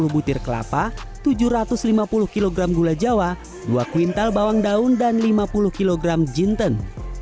sepuluh butir kelapa tujuh ratus lima puluh kg gula jawa dua kuintal bawang daun dan lima puluh kg jinten